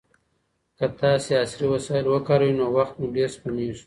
که تاسي عصري وسایل وکاروئ نو وخت مو ډېر سپمېږي.